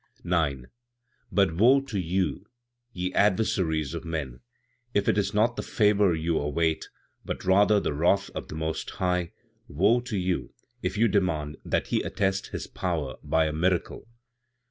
9. "But woe to you! ye adversaries of men, if it is not the favor you await, but rather the wrath of the Most High; woe to you, if you demand that He attest His power by a miracle!